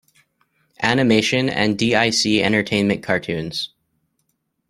Animation and DiC Entertainment cartoons.